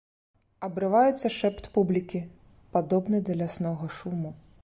Абрываецца шэпт публікі, падобны да ляснога шуму.